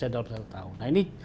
dalam satu tahun nah ini